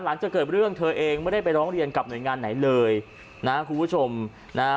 หลังจากเกิดเรื่องเธอเองไม่ได้ไปร้องเรียนกับหน่วยงานไหนเลยนะคุณผู้ชมนะฮะ